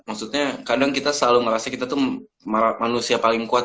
maksudnya kadang kita selalu ngerasa kita tuh manusia paling kuat